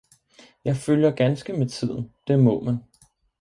jeg følger ganske med tiden, det må man.